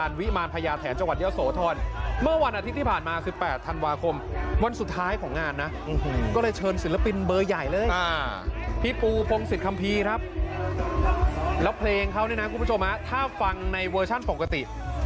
แล้วเพลงเขาเนี่ยนะคุณผู้ชมถ้าฟังในเวอร์ชันปกติ